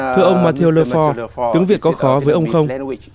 thưa ông mathieu lefort tiếng việt có khó với ông không